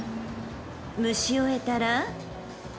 ［蒸し終えたら］